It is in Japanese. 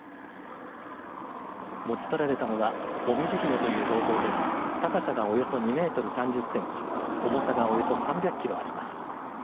持ち去られたのはもみじ姫という銅像で高さおよそ２メートル３０センチ重さがおよそ３００キロあります。